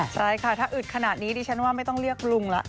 ใช่ค่ะถ้าอึดขนาดนี้ดิฉันว่าไม่ต้องเรียกลุงละ